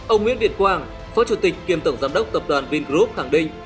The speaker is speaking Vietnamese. ông nguyễn việt quang phó chủ tịch kiêm tổng giám đốc tập đoàn vingroup khẳng định